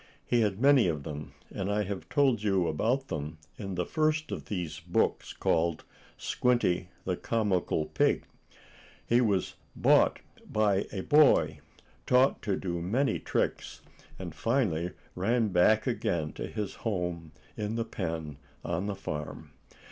He had many of them, and I have told you about them in the first of these books, called "Squinty, the Comical Pig." He was bought by a boy, taught to do many tricks, and finally ran back again to his home in the pen on the farm.